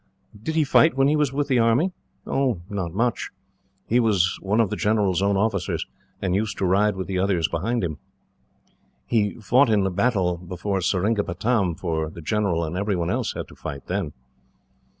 "Did he fight when he was with the army?" "Not much. He was one of the general's own officers, and used to ride with the others behind him. He fought in the battle before Seringapatam, for the general and every one else had to fight, then."